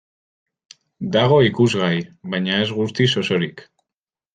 Dago ikusgai, baina ez guztiz osorik.